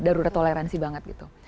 darurat toleransi banget gitu